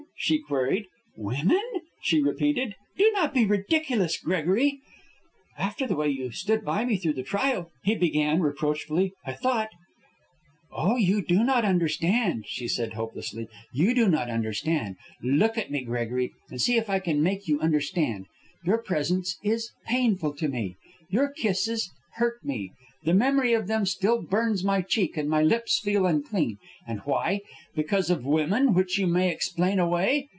she queried. "Women?" she repeated. "Do not be ridiculous, Gregory." "After the way you stood by me through the trial," he began, reproachfully, "I thought " "Oh, you do not understand," she said, hopelessly. "You do not understand. Look at me, Gregory, and see if I can make you understand. Your presence is painful to me. Your kisses hurt me. The memory of them still burns my cheek, and my lips feel unclean. And why? Because of women, which you may explain away?